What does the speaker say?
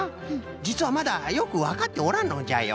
じつはまだよくわかっておらんのじゃよ。